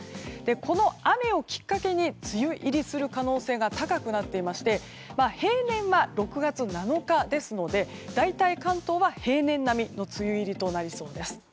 この雨をきっかけに梅雨入りする可能性が高くなっていまして平年は６月７日ですので関東は大体平年並みの梅雨入りとなりそうです。